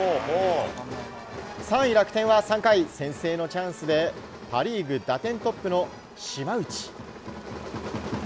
３位、楽天は３回先制のチャンスでパ・リーグ打点トップの島内。